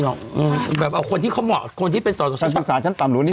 หรอกอือแบบเอาคนที่เขาเหมาะคนที่เป็นสอบสอบสอบสอบสอบหรือนี่